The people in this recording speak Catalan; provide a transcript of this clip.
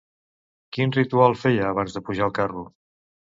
Quin ritual feia abans de pujar al carro?